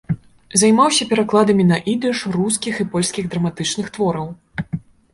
Займаўся перакладамі на ідыш рускіх і польскіх драматычных твораў.